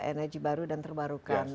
energy baru dan terbarukan